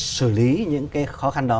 sử lý những cái khó khăn đó